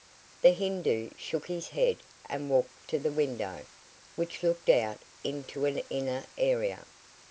The Hindoo shook his head and walked to the window, which looked out into an inner area.